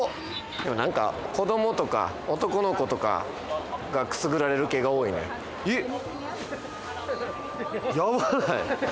でもなんか子どもとか男の子とかがくすぐられる系が多いねヤバない？